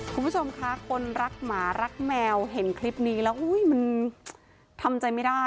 คุณผู้ชมคะคนรักหมารักแมวเห็นคลิปนี้แล้วมันทำใจไม่ได้